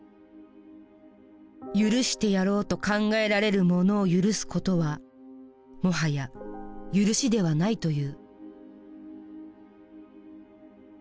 赦してやろうと考えられるものを赦すことはもはや「赦し」ではないという。